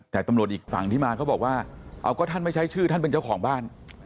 แต่ตำรวจอีกฝั่งที่มาเขาบอกว่าเอาก็ท่านไม่ใช้ชื่อท่านเป็นเจ้าของบ้าน